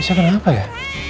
fisa kenapa ya